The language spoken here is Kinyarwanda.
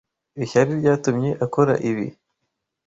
Ishyari ryatumye akora ibi. (fcbond)